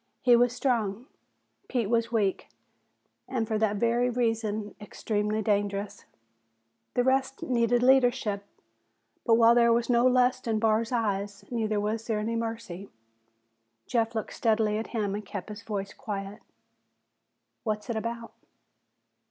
He was strong, Pete was weak and for that very reason extremely dangerous. The rest needed leadership. But while there was no lust in Barr's eyes, neither was there any mercy. Jeff looked steadily at him and kept his voice quiet. "What's it about?"